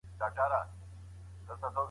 ژبه نړۍوال معيارونه پوره کړي.